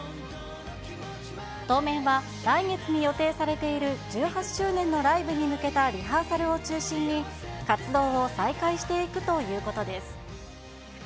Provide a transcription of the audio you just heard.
当面は来月に予定されている１８周年のライブに向けたリハーサルを中心に、活動を再開していくということです。